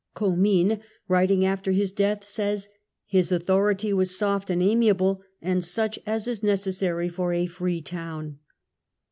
Com mines writing after his death says, " his authority was soft and amiable and such as is necessary for a free town